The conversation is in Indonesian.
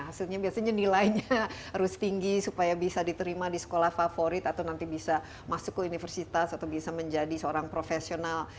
hasilnya biasanya nilainya harus tinggi supaya bisa diterima di sekolah favorit atau nanti bisa masuk ke universitas atau bisa menjadi seorang profesional